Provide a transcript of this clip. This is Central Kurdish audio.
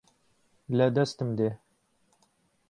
لە دەستم دێ